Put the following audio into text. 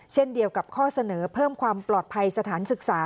เช่นเดียวกับข้อเสนอเพิ่มความปลอดภัยสถานศึกษา